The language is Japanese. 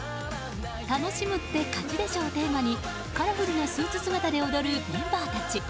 楽しむって勝ちでしょをテーマにカラフルなスーツ姿で踊るメンバーたち。